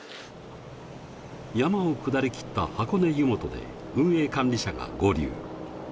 山を下り切った箱根湯本で運営管理車が合流。